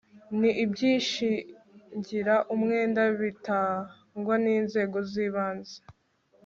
n ibyishingira umwenda bitangwa n inzego z ibanze